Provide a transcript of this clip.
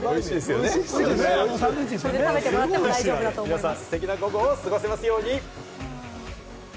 皆さん、ステキな午後を過ごせますように。